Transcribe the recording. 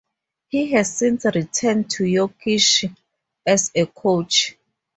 He has since returned to Yorkshire as a coach.